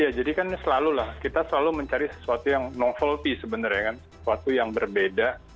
ya jadi kan selalu lah kita selalu mencari sesuatu yang novel fee sebenarnya kan sesuatu yang berbeda